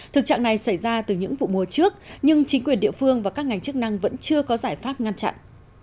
thực trạng này xảy ra từ những vụ mùa trước nhưng chính quyền địa phương và các ngành chức năng vẫn chưa có giải pháp ngăn chặn